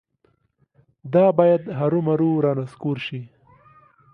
دا باید هرومرو رانسکور شي.